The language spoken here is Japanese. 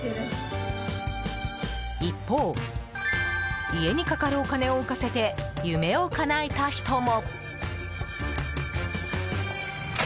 一方、家にかかるお金を浮かせて、夢をかなえた人も。